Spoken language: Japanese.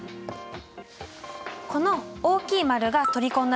この大きいマルが取り込んだ